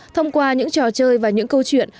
thông qua những trò chơi và những câu chuyện